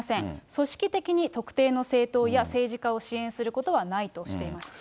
組織的に特定の政党や政治家を支援することはないとしていました。